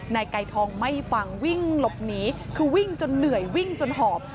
นายไก่ทองไม่ฟังวิ่งหลบหนีคือวิ่งจนเหนื่อยวิ่งจนหอบ